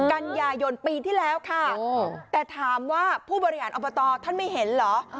กันยายนปีที่แล้วค่ะแต่ถามว่าผู้บริหารอบตท่านไม่เห็นเหรอ